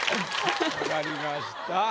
分かりました。